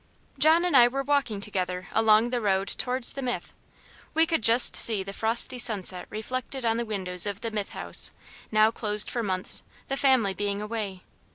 John and I were walking together along the road towards the Mythe; we could just see the frosty sunset reflected on the windows of the Mythe House, now closed for months, the family being away.